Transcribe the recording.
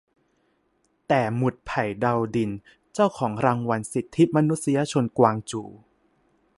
แต่"หมุดไผ่ ดาวดิน" เจ้าของรางวัลสิทธิมนุษยชนกวางจู"